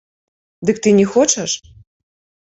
Дык ты не хочаш?